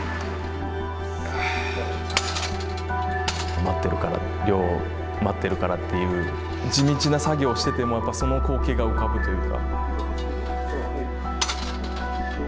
待ってるから、亮、待ってるからって、地道な作業をしていても、その光景が浮かぶというか。